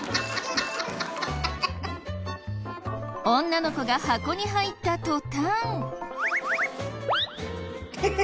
女の子が箱に入った途端。